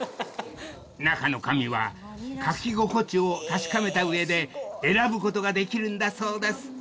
［中の紙は書き心地を確かめた上で選ぶことができるんだそうです］